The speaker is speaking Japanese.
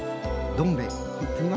どんべえ。